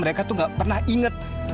mereka tuh gak pernah inget